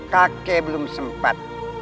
kake belum sempat